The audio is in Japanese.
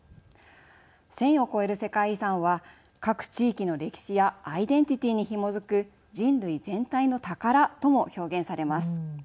１０００を超える世界遺産は各地域の歴史やアイデンティティーにひもづく人類全体の宝とも表現されます。